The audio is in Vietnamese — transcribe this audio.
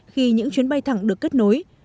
khi những chuyến bay thẳng được kết nối